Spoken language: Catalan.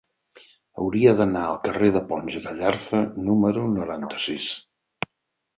Hauria d'anar al carrer de Pons i Gallarza número noranta-sis.